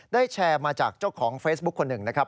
แชร์มาจากเจ้าของเฟซบุ๊คคนหนึ่งนะครับ